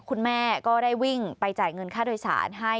คุณแม่ก็ได้วิ่งไปจ่ายเงินค่าโดยสารให้